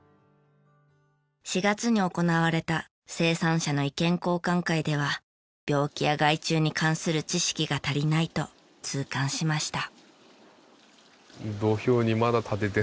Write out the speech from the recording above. ４月に行われた生産者の意見交換会では病気や害虫に関する知識が足りないと痛感しました。